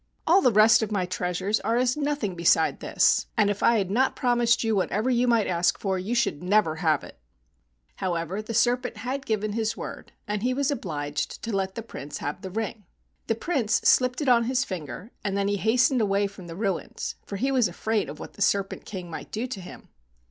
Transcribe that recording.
"All the rest of my treasures are as nothing beside this, and if I had not promised you whatever you might ask for, you should never have it." However, the Serpent had given his word, 34 AN EAST INDIAN STORY and he was obliged to let the Prince have the ring. The Prince slipped it on his finger, and then he hastened away from the ruins, for he was afraid of what the Serpent King might do to him.